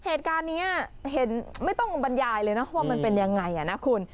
เหตุการณ์นี้เห็นไม่ต้องบรรยายเลยนะว่ามันเป็นยังไงนะคุณ